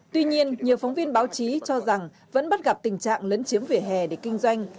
tuy nhiên nhiều phóng viên báo chí cho rằng vẫn bắt gặp tình trạng lấn chiếm vỉa hè để kinh doanh